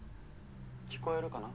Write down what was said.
聞こえるかな？